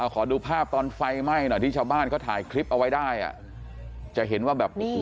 ขอดูภาพตอนไฟไหม้หน่อยที่ชาวบ้านเขาถ่ายคลิปเอาไว้ได้อ่ะจะเห็นว่าแบบโอ้โห